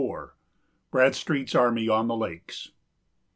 1764. BRADSTREET'S ARMY ON THE LAKES.